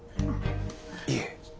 いえ。